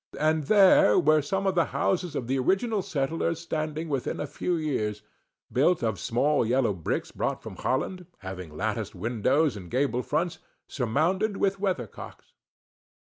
and there were some of the houses of the original settlers standing within a few years, built of small yellow bricks brought from Holland, having latticed windows and gable fronts, surmounted with weather cocks.